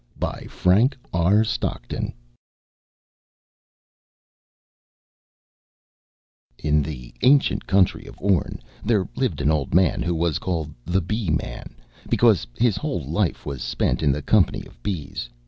In the ancient country of Orn, there lived an old man who was called the Bee man, because his whole time was spent in the company of bees.